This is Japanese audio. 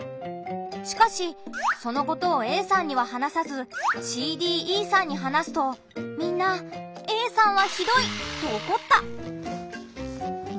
しかしそのことをＡさんには話さずＣ・Ｄ・Ｅさんに話すとみんな「Ａさんはひどい」とおこった。